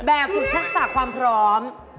แบบทุกษศาปน์ความพร้อม